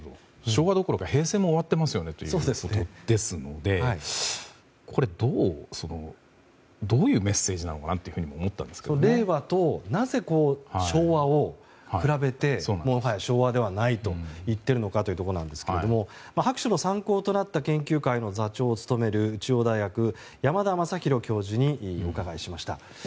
昭和どころか平成も終わっていますよねというところですのでこれどういうメッセージなのかなと令和と昭和を比べてもはや昭和ではないと言っているのかというところですが白書の参考となった研究会の座長を務める中央大学、山田昌弘教授にお伺いしました。